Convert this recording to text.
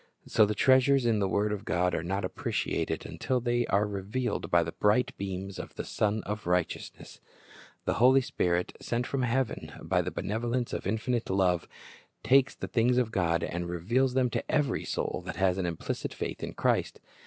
So the treasures in the word of God are not appreciated until they are revealed by the bright beams of the Sun of Righteousness. The Holy Spirit, sent from heaven by the benevolence of infinite love, takes the things of God, and reveals them to every soul that has an implicit faith in Christ.